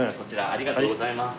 ありがとうございます。